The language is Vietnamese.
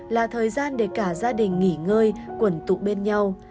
là thời gian để cả gia đình nghỉ ngơi quẩn tụ bên nhau